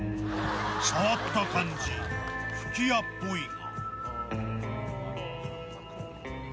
触った感じ、吹き矢っぽいが。